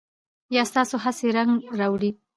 ایا ستاسو هڅې رنګ راوړي؟